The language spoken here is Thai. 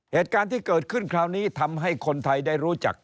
เหตุการณ์ที่เกิดขึ้นคราวนี้ทำให้คนไทยได้รู้จัก